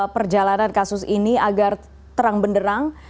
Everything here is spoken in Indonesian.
perjalanan kasus ini agar terang benderang